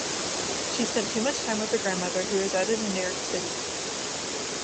She spent much time with her grandmother, who resided in New York City.